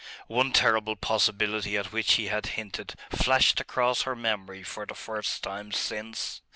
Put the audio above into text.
One terrible possibility at which he had hinted flashed across her memory for the first time since